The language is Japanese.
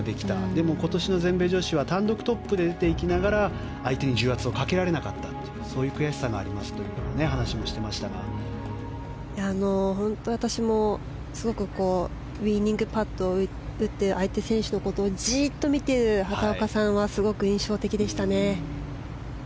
でも今年の全米女子は単独トップで出ていきながら相手に重圧をかけられなかったとそういう悔しがありますという私も、すごくウィニングパットを打って相手選手のことをじーっと見ている畑岡さんはすごく印象的でしたね。